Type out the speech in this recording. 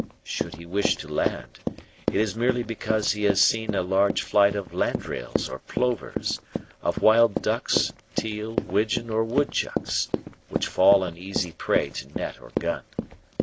Should he wish to land, it is merely because he has seen a large flight of landrails or plovers, of wild ducks, teal, widgeon, or woodchucks, which fall an easy pray to net or gun.